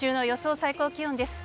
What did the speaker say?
最高気温です。